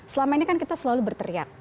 selama ini kan kita selalu berteriak